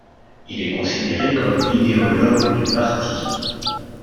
Il est considéré comme l'idéologue du parti.